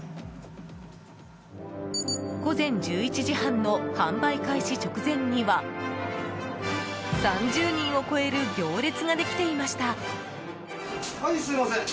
午前１１時半の販売開始直前には３０人を超える行列ができていました。